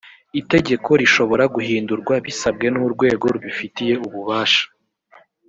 itegeko rishobora guhindurwa bisabwe n’urwego rubifitiye ububasha